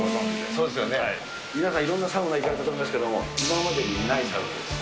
そうですよね、皆さんいろんなサウナ行かれてると思いますけれども、今までにないサウナです。